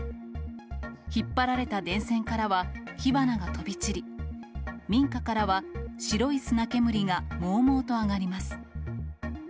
引っ張られた電線からは火花が飛び散り、民家からは白い砂煙がもうもうと上がります。